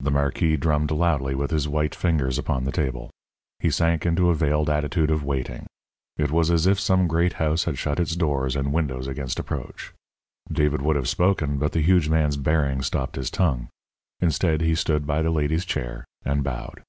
The marquis drummed loudly with his white fingers upon the table. He sank into a veiled attitude of waiting. It was as if some great house had shut its doors and windows against approach. David would have spoken, but the huge man's bearing stopped his tongue. Instead, he stood by the lady's chair and bowed.